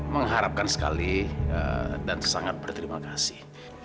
mengharapkan sekali dan sangat berterima kasih